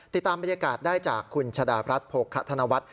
ติดตามบรรยากาศได้จากคุณชะดารัฐโภคธนวัฒน์